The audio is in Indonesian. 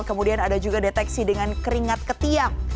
kemudian ada juga deteksi dengan keringat ketiak